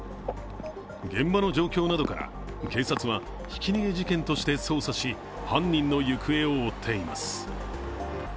現場の状況などから、警察はひき逃げ事件として捜査し、犯人の行方を追っています。